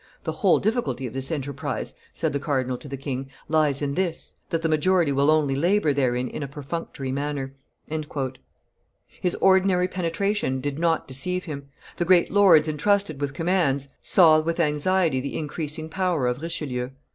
"The whole difficulty of this enterprise," said the cardinal to the king, "lies in this, that the majority will only labor therein in a perfunctory manner." His ordinary penetration did not deceive him: the great lords intrusted with commands saw with anxiety the increasing power of Richelieu.